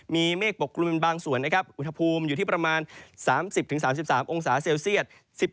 มีเมฆปกกลุ่มเป็นบางส่วนนะครับอุณหภูมิอยู่ที่ประมาณ๓๐๓๓องศาเซลเซียต